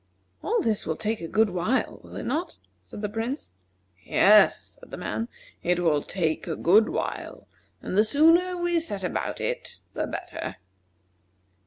"All this will take a good while, will it not?" said the Prince. "Yes," said the man, "it will take a good while; and the sooner we set about it, the better."